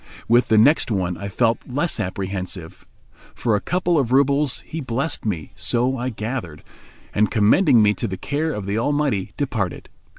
With the next one I felt less apprehensive. For a couple of roubles he blessed me, so I gathered; and, commending me to the care of the Almighty, departed.